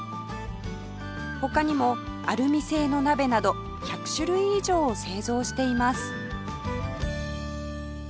他にもアルミ製の鍋など１００種類以上を製造しています